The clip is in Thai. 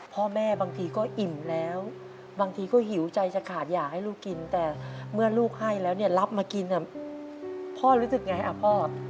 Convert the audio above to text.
พ่อแม่บางทีก็อิ่มแล้วบางทีก็หิวใจจะขาดอยากให้ลูกกินแต่เมื่อลูกให้แล้วเนี่ยรับมากินพ่อรู้สึกไงอ่ะพ่อ